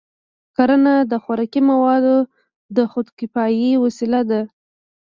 کرنه د خوراکي موادو د خودکفایۍ وسیله ده.